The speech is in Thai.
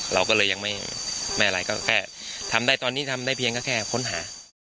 เราก็เลยยังไม่อะไรก็แค่ทำได้ตอนนี้ทำได้เพียงก็แค่ค้นหา